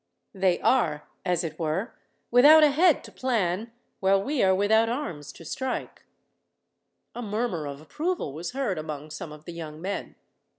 They are, as it were, without a head to plan, while we are without arms to strike." A murmur of approval was heard among some of the young men.